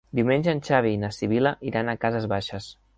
Diumenge en Xavi i na Sibil·la iran a Cases Baixes.